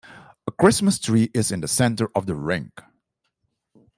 A Christmas tree is in the center of the rink.